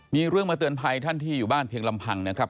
มีเรื่องมาเตือนภัยท่านที่อยู่บ้านเพียงลำพังนะครับ